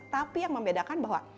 tapi yang membedakan bahwa